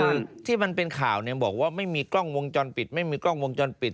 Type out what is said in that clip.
คือที่มันเป็นข่าวเนี่ยบอกว่าไม่มีกล้องวงจรปิดไม่มีกล้องวงจรปิด